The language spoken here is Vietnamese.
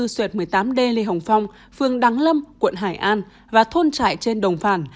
xuyệt một mươi tám d lê hồng phong phương đắng lâm quận hải an và thôn trại trên đồng phản